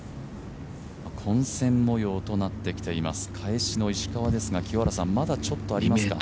混戦模様となってきています、返しの石川ですが、まだちょっとありますか？